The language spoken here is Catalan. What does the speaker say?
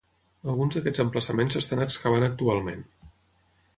Alguns d"aquests emplaçaments s"estan excavant actualment.